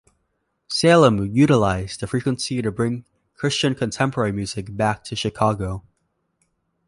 Salem utilized the frequency to bring Christian Contemporary Music back to Chicago.